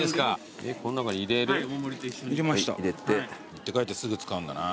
持って帰ってすぐ使うんだな。